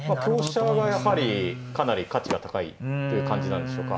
香車はやはりかなり価値が高いって感じなんでしょうか。